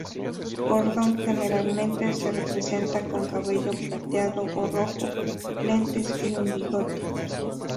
Gordon generalmente se representa con cabello plateado o rojo, lentes y un bigote.